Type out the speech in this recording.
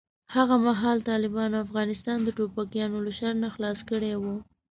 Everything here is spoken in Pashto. هغه مهال طالبانو افغانستان د ټوپکیانو له شر نه خلاص کړی و.